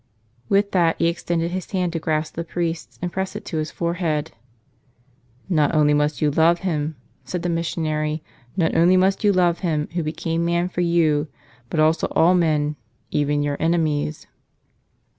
With that he extended his hand to grasp the priest's and press it to his forehead. "Not only must you love Him," said the missionary, "not only must you love Him Who became man for you, but also all men, even your enemies."